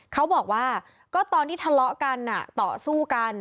เขาบอกว่าก็ตอนที่ทะเลาะกันต่อสู้กัน